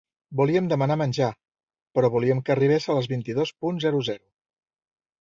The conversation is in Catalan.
Volíem demanar menjar, però volíem que arribes a les vint-i-dos punt zero zero.